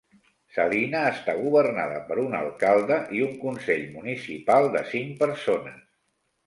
Salina està governada per un alcalde i un consell municipal de cinc persones.